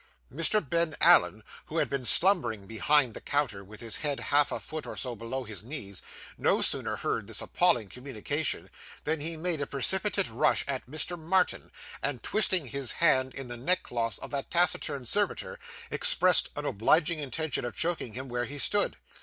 Mr. Ben Allen, who had been slumbering behind the counter, with his head half a foot or so below his knees, no sooner heard this appalling communication, than he made a precipitate rush at Mr. Martin, and, twisting his hand in the neck cloth of that taciturn servitor, expressed an obliging intention of choking him where he stood.